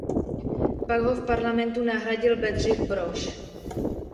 Pak ho v parlamentu nahradil Bedřich Brož.